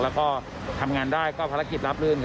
และทำงานได้ก็พลักษณะรับลื่น